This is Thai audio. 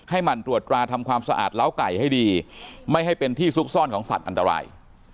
หมั่นตรวจตราทำความสะอาดเล้าไก่ให้ดีไม่ให้เป็นที่ซุกซ่อนของสัตว์อันตราย